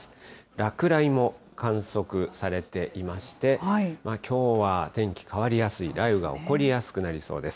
落雷も観測されていまして、きょうは天気、変わりやすい、雷雨が起こりやすくなりそうです。